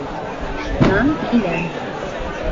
Шунан киләм.